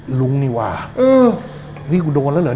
นามสกุลลุงมันคุ้นนามสกุลนี้คือชื่อเดียวกับโรงแรมที่เราพัก